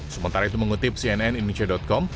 sementara itu mengutip cnn indonesia com